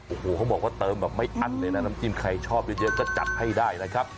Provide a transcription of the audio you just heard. โอ้โหเขาบอกว่าเติมแบบไม่อั้นเลยนะน้ำจิ้มใครชอบเยอะก็จัดให้ได้นะครับ